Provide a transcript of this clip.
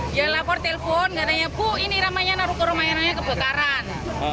dia lapor telpon enggak tanya bu ini ramainya naruh ke rumah enaknya kebakaran